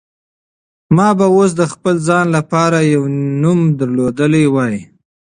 ما به اوس د خپل ځان لپاره یو نوم درلودلی وای.